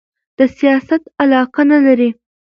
د سیاست علاقه نه لري